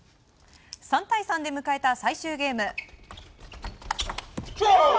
３対３で迎えた最終ゲーム。